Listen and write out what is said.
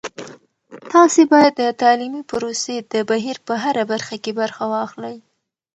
تاسې باید د تعلیمي پروسې د بهیر په هره برخه کې برخه واخلئ.